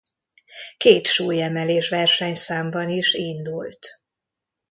Két súlyemelés-versenyszámban is indult.